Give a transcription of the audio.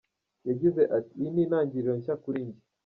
Yagize ati: "Iyi ni intangiriro nshya kuri jye.